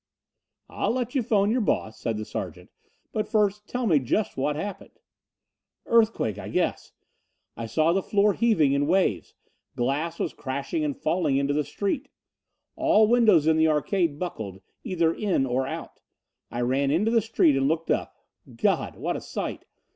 "I'll let you phone your boss," said the sergeant, "but first tell me just what happened." "Earthquake, I guess. I saw the floor heaving in waves. Glass was crashing and falling into the street. All windows in the arcade buckled, either in or out. I ran into the street and looked up. God, what a sight!